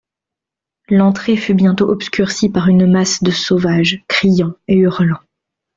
L'entrée fut bientôt obscurcie par une masse de sauvages criant et hurlant.